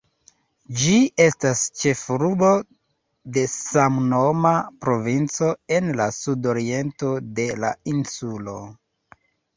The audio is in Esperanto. Ĝi estas ĉefurbo de samnoma provinco, en la sudoriento de la insulo.